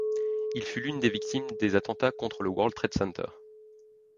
Il fut l'une des victimes des attentats contre le World Trade Center.